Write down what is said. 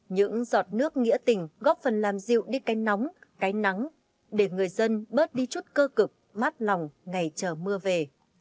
những giọt nước nghĩa tình góp phần làm dịu đi cái nóng cái nắng để người dân bớt đi chút cơ cực mát lòng ngày chờ mưa về